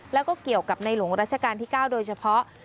แล้วก็เกี่ยวกับในหลวงรัชกาลที่๙โดยเฉพาะ